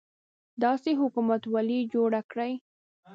داسې حکومتولي جوړه کړي.